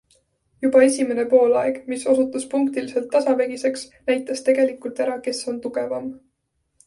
Juba esimene poolaeg, mis osutus punktiliselt tasavägiseks, näitas tegelikult ära, kes on tugevam.